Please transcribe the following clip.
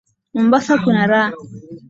Mombasa kuna raha.